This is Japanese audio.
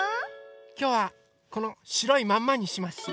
きょうはこのしろいまんまにします！